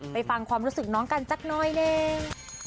ไปฟังความรู้สึกน้องกันจากน้อยเนี่ย